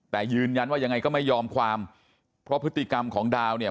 แต่ยืนยันว่ายังไงก็ไม่ยอมความเพราะพฤติกรรมของดาวเนี่ย